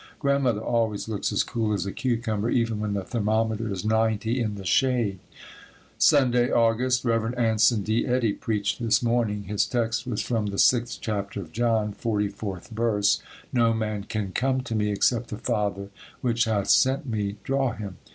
Grandmother always looks as cool as a cucumber even when the thermometer is 90 in the shade. Sunday, August. Rev. Anson D. Eddy preached this morning. His text was from the sixth chapter of John, 44th verse. "No man can come to me, except the Father which hath sent me, draw him."